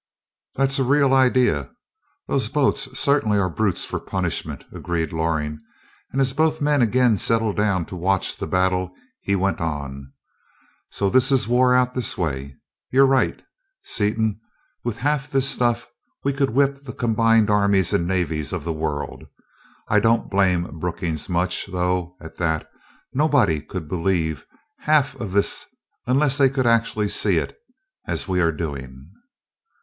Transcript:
"That's a real idea those boats certainly are brutes for punishment," agreed Loring, and as both men again settled down to watch the battle, he went on: "So this is war out this way? You're right. Seaton, with half this stuff, could whip the combined armies and navies of the world. I don't blame Brookings much, though, at that nobody could believe half of this unless they could actually see it, as we are doing."